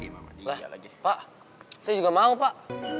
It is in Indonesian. pak saya juga mau pak